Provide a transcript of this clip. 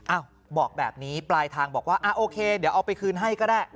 บอกแบบนี้ปลายทางบอกว่าอ่าโอเคเดี๋ยวเอาไปคืนให้ก็ได้